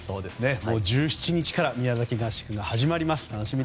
もう１７日から宮崎合宿が始まります。